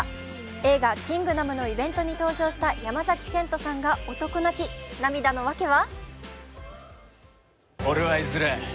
映画「キングダム」のイベントに登場した山崎賢人さんが男泣き涙の訳は？